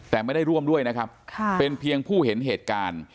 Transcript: แต่ไม่ได้ร่วมด้วยนะครับเป็นเพียงผู้เห็นเหตุการณ์